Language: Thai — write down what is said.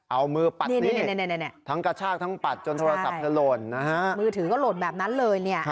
เอามือปัดทั้งกระชากทั้งปัดจนโทรศัพท์เธอหล่นนะฮะมือถือก็หล่นแบบนั้นเลยเนี่ย